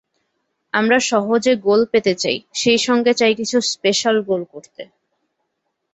আমরা সহজে গোল পেতে চাই, সেই সঙ্গে চাই কিছু স্পেশাল গোল করতে।